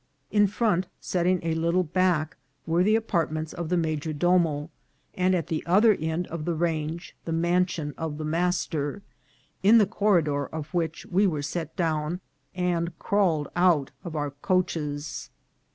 In front, setting a little back, were the apartments of the major domo, and at the other end of the range the mansion of the master, in the corridor of which we were set down, and crawl ed out of our coaches.